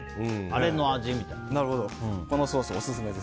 あれの味みたいな。